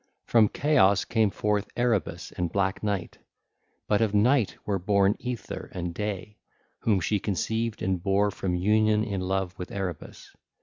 From Chaos came forth Erebus and black Night; but of Night were born Aether 1605 and Day, whom she conceived and bare from union in love with Erebus.